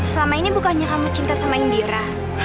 selama ini bukannya kamu cinta sama indira